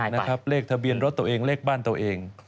นะครับเลขทะเบียนรถตัวเองเลขบ้านตัวเอง